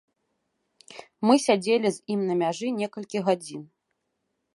Мы сядзелі з ім на мяжы некалькі гадзін.